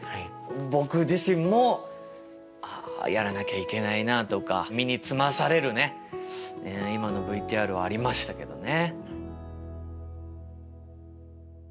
僕自身も「あやらなきゃいけないな」とか身につまされるね今のＶＴＲはありましたけどね。